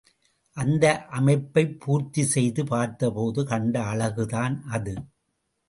அந்த அமைப்பைப் பூர்த்தி செய்து பார்த்தபோது கண்ட அழகுதான் அது.